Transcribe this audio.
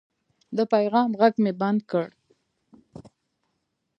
د پیغام غږ مې بند کړ.